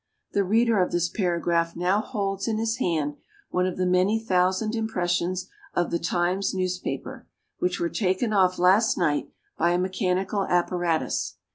The reader of this paragraph now holds in his hand one of the many thousand impressions of the 'Times' newspaper which were taken off last night by a mechanical apparatus.